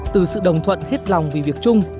từ sự đồng thuận hết lòng vì việc chung